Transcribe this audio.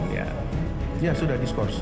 ya sudah di skos